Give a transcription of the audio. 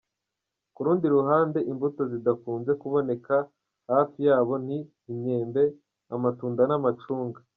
Kurundi ruhande imbuto zidakunze kuboneka hafi yabo ngo ni imyembe, amatunda n’amacunga.